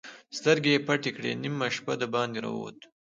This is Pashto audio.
سترګې يې پټې کړې، نيمه شپه د باندې را ووت.